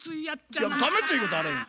いやがめついことあれへん。